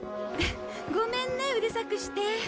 ごめんねうるさくして。